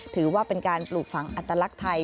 ถือว่าเป็นการปลูกฝังอัตลักษณ์ไทย